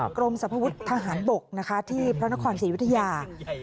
กรมสรรพวุฒิทหารบกที่พระนครศรียุธยา